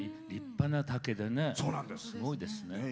立派な竹ですごいですね。